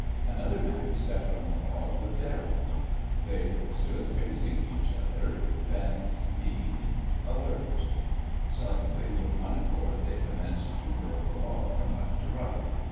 Another man stepped on the log with Darrell. They stood facing each other, bent kneed, alert. Suddenly with one accord they commenced to birl the log from left to right.